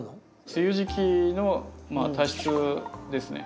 梅雨時期のまあ多湿ですね。